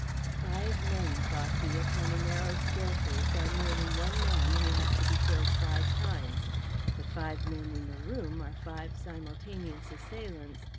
"Five men," thought he, "upon a narrow staircase are merely one man who has to be killed five times, but five men in a room are five simultaneous assailants.